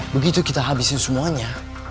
begitu kita habisin semuanya